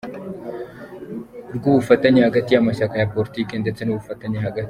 rw’ubufatanye hagati y’amashyaka ya politiki, ndetse n’ubufatanye hagati